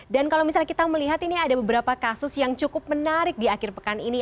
dan kalau misalnya kita melihat ini ada beberapa kasus yang cukup menarik di akhir pekan ini